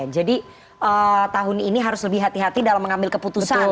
jadi tahun ini harus lebih hati hati dalam mengambil keputusan